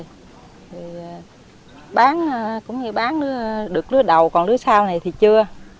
thì bán cũng như bán được lứa đầu còn lứa sau này thì chưa